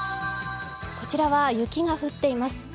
こちらは雪が降っています。